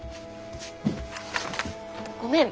ごめん。